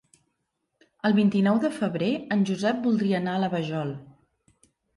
El vint-i-nou de febrer en Josep voldria anar a la Vajol.